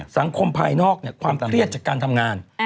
สังคมภายนอกเนี่ยความเครียดจากการทำงาน